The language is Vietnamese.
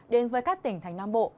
đến với các tỉnh thành nam bộ